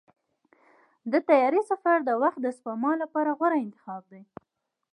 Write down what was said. د طیارې سفر د وخت د سپما لپاره غوره انتخاب دی.